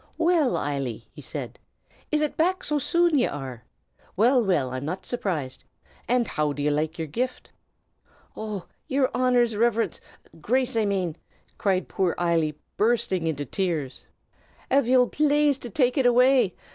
"Well, Eily," he said, "is it back so soon ye are? Well, well, I'm not surprised! And how do ye like yer gift?" "Oh, yer Honor's Riverence Grace, I mane!" cried poor Eily, bursting into tears, "av ye'll plaze to take it away!